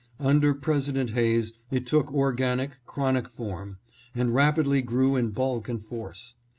Under President Hayes it took organic, chronic form, and rapidly grew in bulk and force.